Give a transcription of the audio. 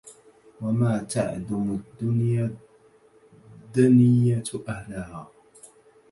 وما تعدم الدنيا الدنية أهلها